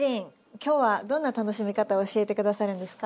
今日はどんな楽しみ方を教えて下さるんですか？